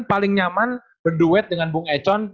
paling nyaman berduet dengan bung econ